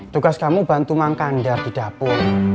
tugas kamu bantu mangkandar didapati